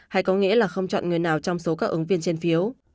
hay có nghĩa là không chọn người nào trong số các ứng viên trên phiếu